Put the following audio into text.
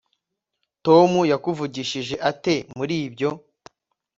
tom yakuvugishije ate muri ibyo